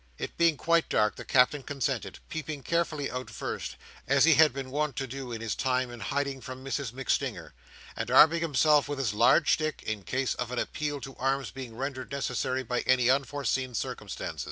It being quite dark, the Captain consented: peeping carefully out first, as he had been wont to do in his time of hiding from Mrs MacStinger; and arming himself with his large stick, in case of an appeal to arms being rendered necessary by any unforeseen circumstance.